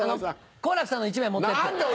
好楽さんの１枚持ってって。